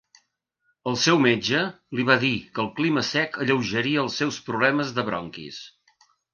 El seu metge li va dir que el clima sec alleujaria els seus problemes de bronquis.